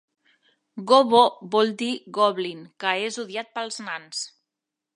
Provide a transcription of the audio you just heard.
Gobbo vol dir Goblin, que és odiat pels nans.